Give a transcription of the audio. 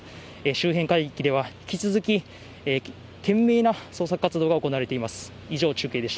周辺海域では引き続き懸命な捜索活動が行われています。